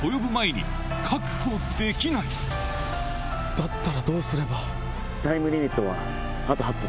だったらどうすれば？